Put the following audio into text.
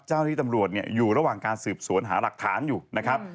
เจ้าหน้าที่ตำรวจอยู่ระหว่างการสืบสวนหาหลักฐานอยู่นะครับ